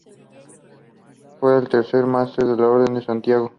Fue el tercer maestre de la Orden de Santiago.